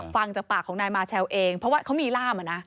ฟังจากปากของนายมาเชลเองเพราะว่าเขามีร่าม